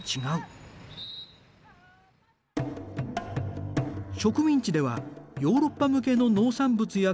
植民地ではヨーロッパ向けの農産物や鉱産物が生産された。